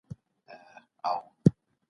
موږ ټول د هوسا او پرمختللي هېواد هیله لرو.